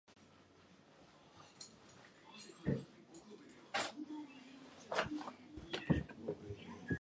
It was once the southern end of the Stratford-upon-Avon to Moreton tramway.